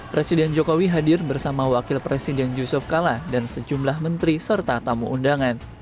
presiden jokowi hadir bersama wakil presiden yusuf kala dan sejumlah menteri serta tamu undangan